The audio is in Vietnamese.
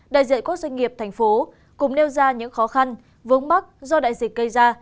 đại diện quốc doanh nghiệp thành phố cùng nêu ra những khó khăn vốn bắc do đại dịch gây ra